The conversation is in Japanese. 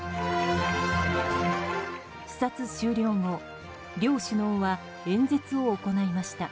視察終了後、両首脳は演説を行いました。